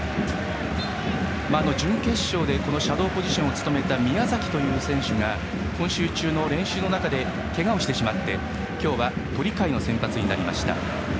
準決勝でシャドーポジションを務めた宮崎という選手が今週中の練習の中でけがをしてしまって今日は鳥海の先発になりました。